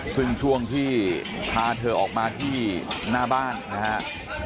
ซึ่งช่วงที่พาเธอออกมาที่หน้าบ้านนะครับ